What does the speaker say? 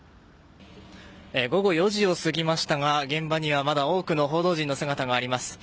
午後４時を過ぎましたが現場にはまだ多くの報道陣の姿があります。